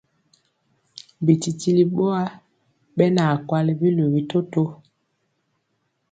Bititili ɓowa ɓɛ na kwali biluvi toto.